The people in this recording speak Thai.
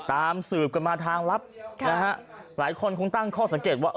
ตามสืบกันมาทางลับนะฮะหลายคนคงตั้งข้อสังเกตว่า